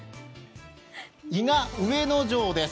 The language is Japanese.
伊賀上野城です。